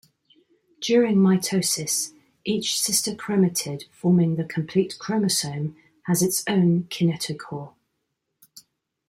During mitosis, each sister chromatid forming the complete chromosome has its own kinetochore.